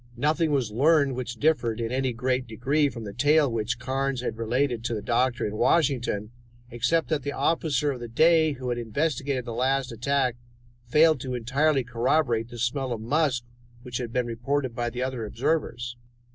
Nothing was learned which differed in any great degree from the tale which Carnes had related to the doctor in Washington, except that the officer of the day who had investigated the last attack failed to entirely corroborate the smell of musk which had been reported by the other observers.